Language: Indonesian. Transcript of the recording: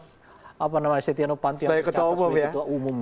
setiano panto yang dikatakan sebagai ketua umum